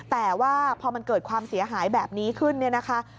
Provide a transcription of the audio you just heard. แต่ว่าพอมันเกิดความเสียหายแบบนี้ขึ้นเนี่ยนะคะ